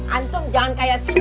antum jangan kaya sibuk ya